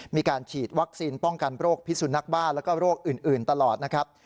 มีการฉีดวัคซีนป้องกันโรคพิสุนักบ้าแล้วก็โรคอื่นตลอดนะครับ